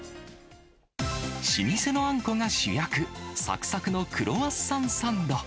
老舗のあんこが主役、さくさくのクロワッサンサンド。